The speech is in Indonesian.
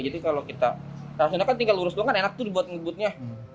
jadi kalau kita rasunasai kan tinggal lurus doang kan enak tuh dibuat ngebutnya